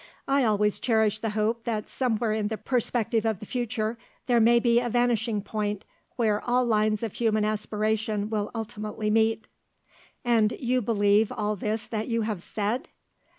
I always cherish the hope that somewhere in the perspective of the future there may be a vanishing point where all lines of human aspiration will ultimately meet." "And you believe all this that you have said?"